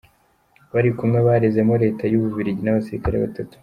bari kumwe barezemo Leta y’u Bubiligi n’abasilikare batatu :